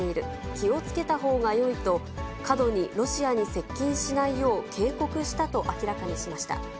気をつけたほうがよいと、過度にロシアに接近しないよう、警告したと明らかにしました。